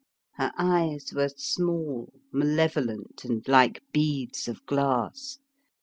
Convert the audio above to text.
Her eyes were small, malevolent, and like beads of glass.